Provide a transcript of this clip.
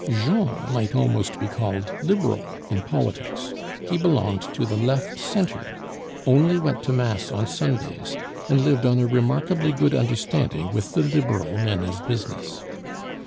Jean might almost be called Liberal in politics; he belonged to the Left Centre, only went to mass on Sundays, and lived on a remarkably good understanding with the Liberal men of business.